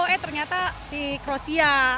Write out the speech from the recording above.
eh ternyata si kroasia